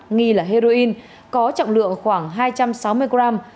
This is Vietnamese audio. nghi là heroin có trọng lượng khoảng hai trăm sáu mươi gram